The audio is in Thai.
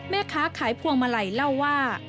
แม่ค้าขายพวงมาลัยเล่าว่า